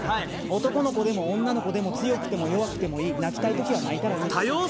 男の子でも女の子でも強くても弱くてもいい泣きたい時は泣いたらいい多様性